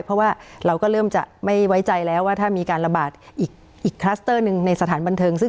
เพราะว่าเราก็เริ่มจะไม่ไว้ใจแล้วว่าถ้ามีการระบาดอีกคลัสเตอร์หนึ่งในสถานบันเทิงซึ่ง